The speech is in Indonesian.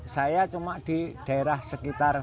saya cuma di daerah sekitar